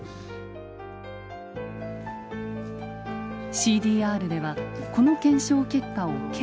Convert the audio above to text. ＣＤＲではこの検証結果を県に報告。